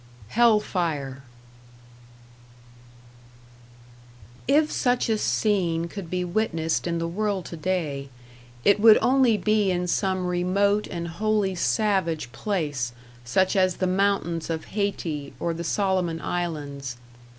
#Hell Fire# If such a scene could be witnessed in the world today, it would only be in some remote and wholly savage place, such as the mountains of Hayti, or the Solomon Islands.